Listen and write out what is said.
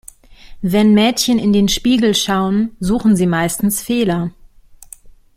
Wenn Mädchen in den Spiegel schauen, suchen sie meistens Fehler.